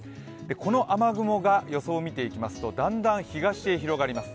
この雨雲が予想を見ていきますと、だんだん東へ広がります。